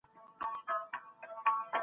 دا له هغه دروند دئ.